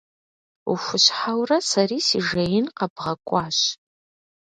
Ухущхьэурэ сэри си жеин къэбгъэкӏуащ.